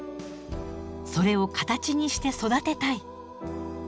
それを形にして育てたい。